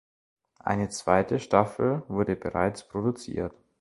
Eine zweite Staffel wurde bereits produziert.